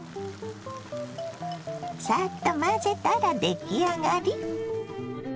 サッと混ぜたら出来上がり。